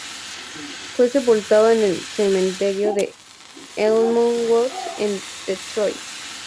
Fue sepultado en el cementerio de Elmwood en Detroit.